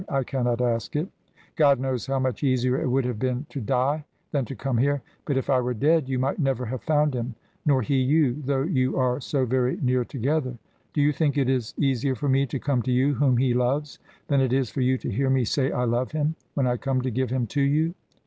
I cannot ask it. God knows how much easier it would have been to die than to come here. But if I were dead you might never have found him, nor he you, though you are so very near together. Do you think it is easier for me to come to you, whom he loves, than it is for you to hear me say I love him, when I come to give him to you?